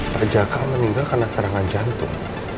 pak jaka meninggal karena serangan jantung